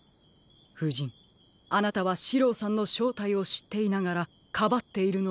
ふじんあなたはシローさんのしょうたいをしっていながらかばっているのでは？